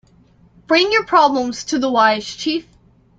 Bring your problems to the wise chief.